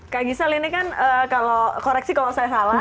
kak gisal ini kan koreksi kalau saya salah